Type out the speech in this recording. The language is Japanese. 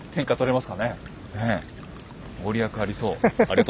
御利益ありそう。